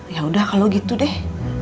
ya udah kalau gitu deh